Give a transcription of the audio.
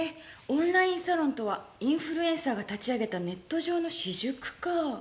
「オンラインサロンとはインフルエンサーが立ち上げたネット上の私塾」か。